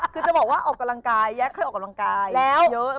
คือจะบอกว่าออกกำลังกายแยกเคยออกกำลังกายเยอะ